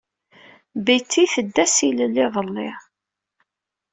Betty tedda s ilel iḍelli.